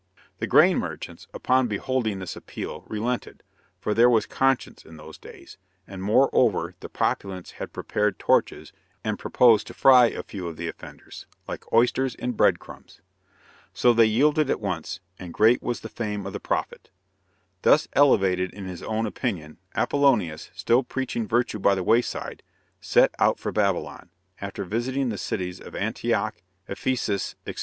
The grain merchants, upon beholding this appeal, relented, for there was conscience in those days; and, moreover, the populace had prepared torches, and proposed to fry a few of the offenders, like oysters in bread crumbs. So they yielded at once, and great was the fame of the prophet. Thus elevated in his own opinion, Apollonius, still preaching virtue by the wayside, set out for Babylon, after visiting the cities of Antioch, Ephesus, etc.